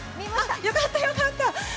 よかったよかった。